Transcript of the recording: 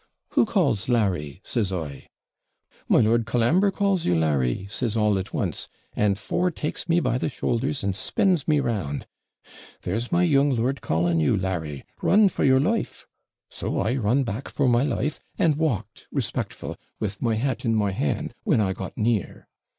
'Who calls Larry?' says I. 'My Lord Colambre calls you, Larry,' says all at once; and four takes me by the shoulders and spins me round. 'There's my young lord calling you, Larry run for your life.' So I run back for my life, and walked respectful, with my hat in my hand, when I got near.